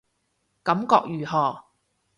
感覺如何